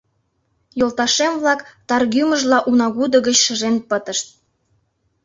Йолташем-влак таргӱмыжла унагудо гыч шыжен пытышт.